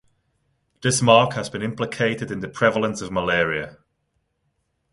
This mark has been implicated in the prevalence of malaria.